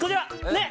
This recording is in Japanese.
ねっ！